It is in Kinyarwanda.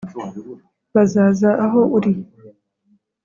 bazaza aho uri